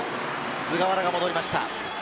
菅原が戻りました。